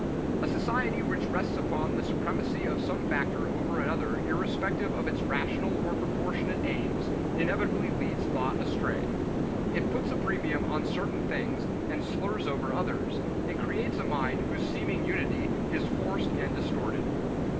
A society which rests upon the supremacy of some factor over another irrespective of its rational or proportionate claims, inevitably leads thought astray. It puts a premium on certain things and slurs over others, and creates a mind whose seeming unity is forced and distorted.